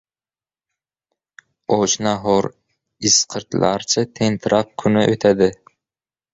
Och-nahor, isqirtlarcha tentirab kuni o‘tadi.